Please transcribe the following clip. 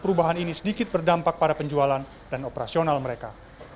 perubahan ini sedikit berdampak pada penjualan dan operasional mereka